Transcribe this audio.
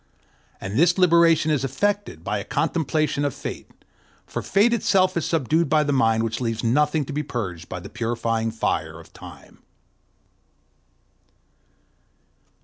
And this liberation is effected by a contemplation of Fate; for Fate itself is subdued by the mind which leaves nothing to be purged by the purifying fire of Time.